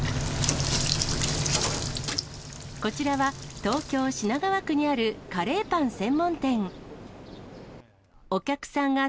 こちらは、東京・品川区にあるカレーパン専門店。